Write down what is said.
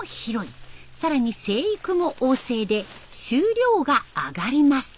更に生育も旺盛で収量が上がります。